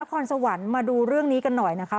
คอนสวรรค์มาดูเรื่องนี้กันหน่อยนะคะ